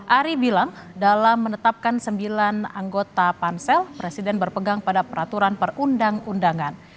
ari bilang dalam menetapkan sembilan anggota pansel presiden berpegang pada peraturan perundang undangan